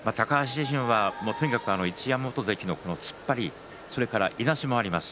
とにかく、一山本関の突っ張りいなしもあります。